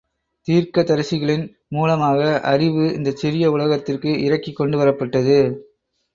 தீர்க்க தரிசிகளின் மூலமாக அறிவு இந்தச் சிறிய உலகத்திற்கு இறக்கிகொண்டு வரப்பட்டது.